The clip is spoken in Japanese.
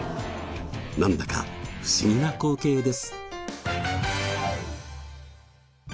なんだか不思議な光景です。